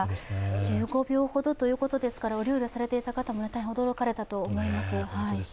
１５秒ほどということですからお料理をされていた方、大変驚かれたと思います。